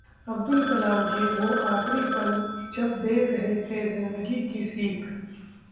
अब्दुल कलाम के वो आखिरी पल जब दे रहे थे जिंदगी की सीख